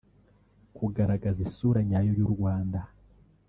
kugaragaza isura nyayo y’u Rwanda